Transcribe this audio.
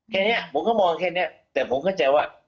แค่นี้ผมก็มองแค่นี้แต่ผมเข้าใจว่า